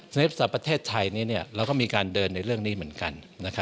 ภาษาประเทศไทยนี้เราก็มีการเดินในเรื่องนี้เหมือนกัน